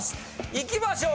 いきましょう。